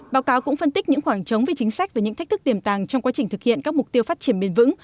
báo cáo cũng phân tích những khoảng trống về chính sách và những thách thức tiềm tàng trong quá trình thực hiện các mục tiêu phát triển bền vững